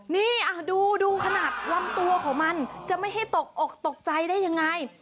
นี่ดูขนาดลำตัวของมันจะไม่ให้ตกอกตกใจได้ยังไง